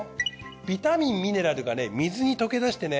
ビタミンミネラルがね水に溶け出してね